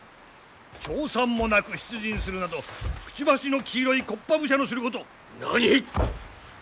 勝算もなく出陣するなどくちばしの黄色い木っ端武者のすること。何！？